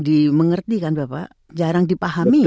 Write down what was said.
dimengerti kan bapak jarang dipahami